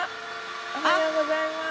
おはようございます。